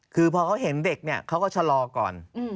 คือพอเขาเห็นเด็กเนี่ยเขาก็ชะลอก่อน